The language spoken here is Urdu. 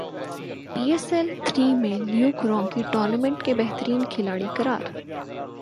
پی ایس ایل تھری میں لیوک رونکی ٹورنامنٹ کے بہترین کھلاڑی قرار